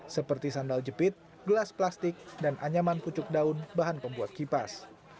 seperti sandal jepit gelas plastik dan anyaman pucuk daun bahan pembuat kipas